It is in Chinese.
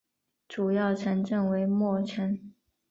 主要城镇为莫城。